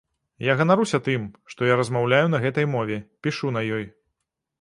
Я ганаруся тым, што я размаўляю на гэтай мове, пішу на ёй.